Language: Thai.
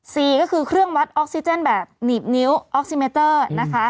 สี่ก็คือเครื่องวัดออกซิเจนแบบหนีบนิ้วออกซิเมเตอร์นะคะ